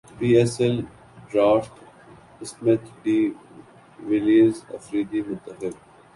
پی S L draft Smith de Villiers Afridi منتخب